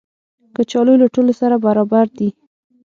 کچالو له ټولو سره برابر دي